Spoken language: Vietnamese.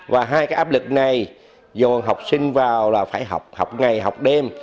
và hai cái áp lực này dồn học sinh vào là phải học học ngày học đêm